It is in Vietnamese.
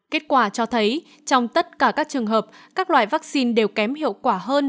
kết quả cho thấy trong tất cả các trường hợp các loại vaccine đều kém hiệu quả hơn